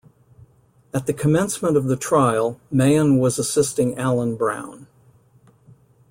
At the commencement of the trial Mahon was assisting Alan Brown.